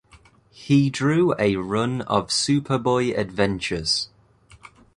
He drew a run of Superboy adventures.